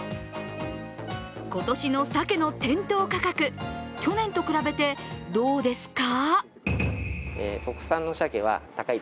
今年のさけの店頭価格、去年と比べてどうですか？